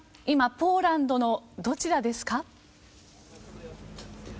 今、ポーランドのどちらですか？